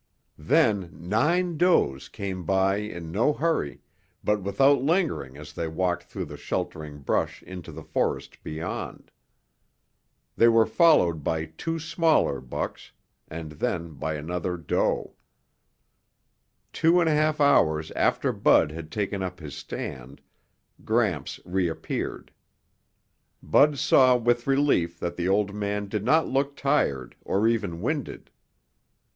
Then nine does came by in no hurry, but without lingering as they walked through the sheltering brush into the forest beyond. They were followed by two smaller bucks, and then by another doe. Two and a half hours after Bud had taken up his stand, Gramps reappeared. Bud saw with relief that the old man did not look tired or even winded.